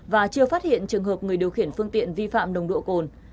và chưa phát hiện trường hợp người điều khiển phương tiện vi phạm nồng độ cồn